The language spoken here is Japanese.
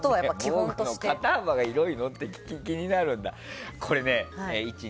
防具の肩幅が広いのって気になるんだ。